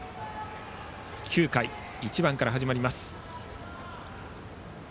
９回、１番から始まります。